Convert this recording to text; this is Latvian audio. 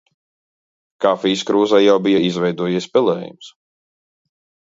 Kafijas krūzē jau bija izveidojies pelējums.